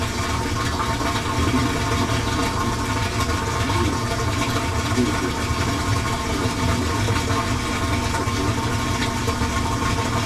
La ligne fut ensuite prolongée le dans le département de la Nièvre, jusqu'à Château-Chinon.